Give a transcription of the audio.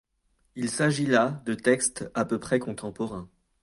Il s'agit là de textes à peu près contemporains.